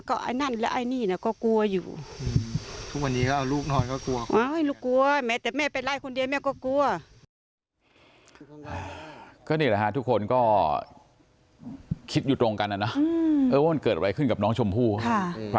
ก็นี่แหละค่ะทุกคนก็คิดอยู่ตรงกันนะว่ามันเกิดอะไรขึ้นกับน้องชมพู่ค่ะ